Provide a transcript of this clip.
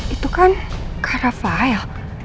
itu kan cara file